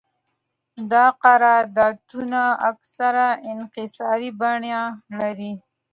دا قراردادونه اکثراً انحصاري بڼه لري